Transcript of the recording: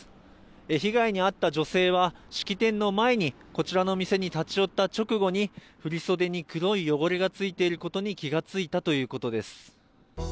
被害に遭った女性は、式典の前にこちらの店に立ち寄った直後に、振り袖に黒い汚れが付いていることに気がついたということです。